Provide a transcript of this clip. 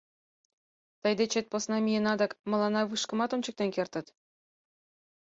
Тый дечет посна миена дык, мыланна вышкымат ончыктен кертыт...»